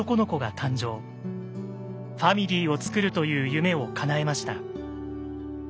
ファミリーをつくるという夢をかなえました。